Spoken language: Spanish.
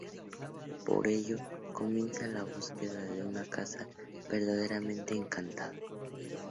Por ello, comienzan la búsqueda de una casa verdaderamente encantada.